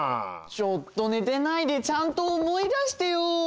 ちょっとねてないでちゃんとおもい出してよ。